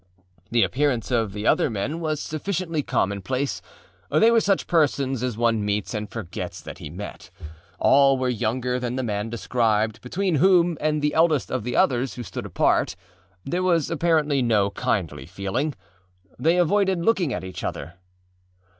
The appearance of the other men was sufficiently commonplace: they were such persons as one meets and forgets that he met. All were younger than the man described, between whom and the eldest of the others, who stood apart, there was apparently no kindly feeling. They avoided looking at each other.